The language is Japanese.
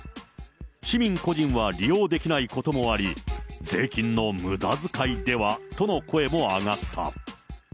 市民個人は利用できないこともあり、税金のむだづかいでは？との声も上がった。